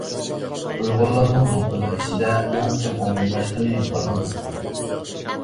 ئۇيغۇرلارنىڭ دوپپىلىرى ئىچىدە ئەڭ كەڭ ئومۇملاشقىنى بادام دوپپا.